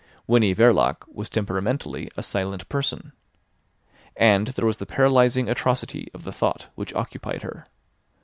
Winnie Verloc was temperamentally a silent person. And there was the paralysing atrocity of the thought which occupied her.